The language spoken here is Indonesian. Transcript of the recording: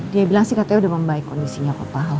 dia bilang sih katanya udah membaik kondisinya papa alhamdulillah